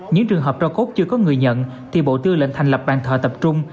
những trường hợp trao cốt chưa có người nhận thì bộ tư lệnh thành lập bàn thợ tập trung